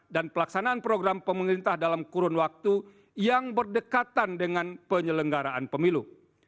dan pelaksanaan program pemerintah dalam kurun waktu yang berdekatan dengan penyelenggaraan pemilu